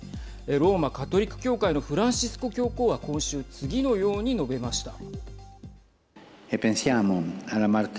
ローマカトリック教会のフランシスコ教皇は今週、次のように述べました。